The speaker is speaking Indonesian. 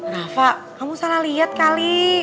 rafa kamu salah liat kali